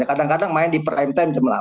kadang kadang main di prime time jam delapan